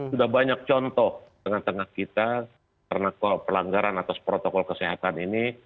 sudah banyak contoh tengah tengah kita karena kok pelanggaran atas protokol kesehatan ini